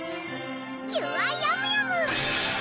キュアヤムヤム！